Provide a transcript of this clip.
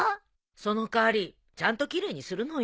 その代わりちゃんと奇麗にするのよ。